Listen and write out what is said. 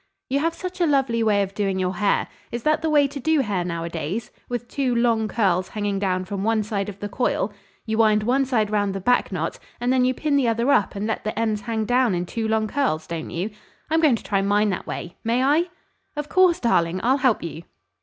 "You have such a lovely way of doing your hair. Is that the way to do hair nowadays with two long curls hanging down from one side of the coil? You wind one side around the back knot, and then you pin the other up and let the ends hang down in two long curls, don't you? I'm going to try mine that way; may I?" "Of course, darling! I'll help you."